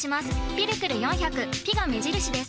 「ピルクル４００」「ピ」が目印です。